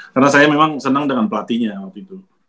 karena saya memang senang dengan pelatihnya waktu itu